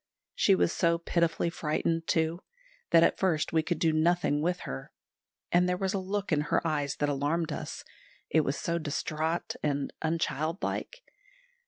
She was so pitifully frightened, too, that at first we could do nothing with her; and there was a look in her eyes that alarmed us, it was so distraught and unchildlike.